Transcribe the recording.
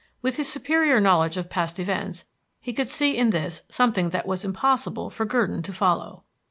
With his superior knowledge of past events, he could see in this something that it was impossible for Gurdon to follow.